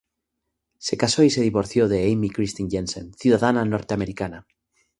Se casó y se divorció de Amy Kristine Jensen, ciudadana norteamericana.